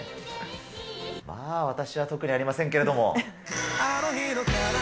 まあ私は特にありませんけども。